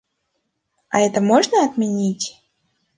А это можно отменить?